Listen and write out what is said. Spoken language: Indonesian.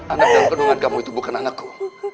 anak dalam bendungan kamu itu bukan anakku